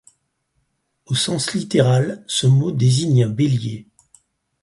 Au sens littéral, ce mot désigne un bélier.